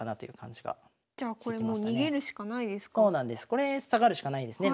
これ下がるしかないですね